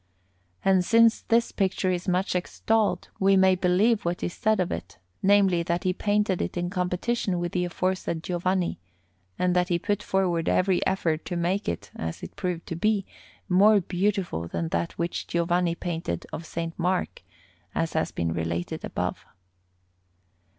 And since this picture is much extolled, we may believe what is said of it namely, that he painted it in competition with the aforesaid Giovanni, and that he put forward every effort to make it, as it proved to be, more beautiful than that which Giovanni painted of S. Mark, as has been related above.